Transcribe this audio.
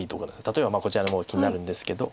例えばこちらの方気になるんですけど。